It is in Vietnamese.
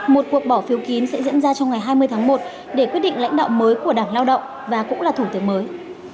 một cuộc bỏ phiếu kín sẽ diễn ra trong ngày hai mươi tháng một để quyết định lãnh đạo mới của đảng lao động và cũng là thủ tướng mới